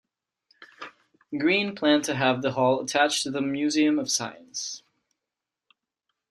Green planned to have the hall attached to the Museum of Science.